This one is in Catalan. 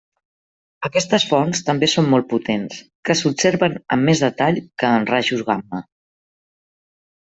Aquestes fonts també són molt potents, que s'observen amb més detall que en rajos gamma.